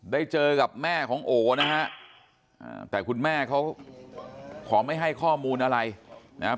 ได้เจอกับแม่ของโอนะฮะแต่คุณแม่เขาขอไม่ให้ข้อมูลอะไรนะครับ